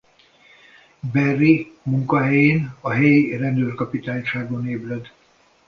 Barry munkahelyén a helyi rendőrkapitányságon ébred.